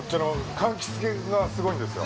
柑橘系がすごいんですよ。